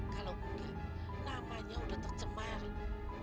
kalau enggak namanya udah tercemar